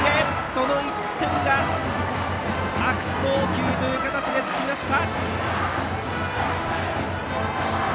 その１点が悪送球という形でつきました。